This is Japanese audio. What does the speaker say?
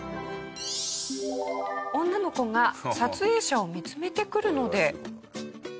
女の子が撮影者を見つめてくるので。